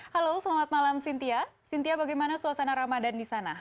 halo selamat malam cynthia cynthia bagaimana suasana ramadan di sana